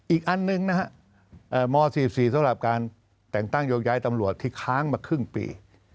อีกอันหนึ่งนะฮะม๔๔สำหรับการแต่งตั้งโยกย้ายตำรวจที่ค้างมาครึ่งปี